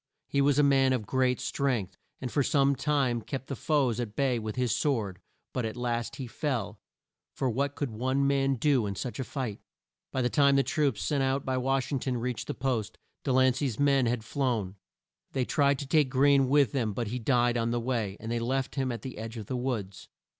He was a man of great strength, and for some time kept the foes at bay with his sword, but at last he fell, for what could one man do in such a fight? By the time the troops sent out by Wash ing ton reached the post, De lan cey's men had flown. They tried to take Greene with them, but he died on the way, and they left him at the edge of the woods.